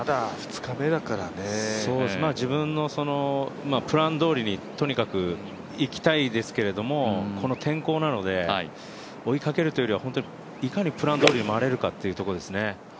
自分のプランどおりにとにかくいきたいですけれども、この天候なので追いかけるというよりはいかにプランどおり回れるかというところですね。